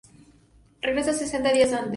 Regresa sesenta días antes.